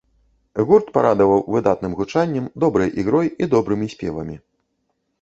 Гурт парадаваў выдатным гучаннем, добрай ігрой і добрымі спевамі.